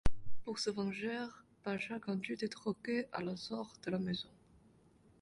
Pour se venger, Pasha conduit des drogués à l'assaut de la maison.